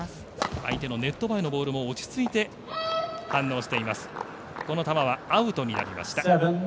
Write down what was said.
相手のネット前の動きを落ち着いて反応しています。